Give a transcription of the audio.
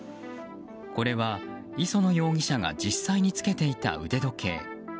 これは磯野容疑者が実際につけていた腕時計。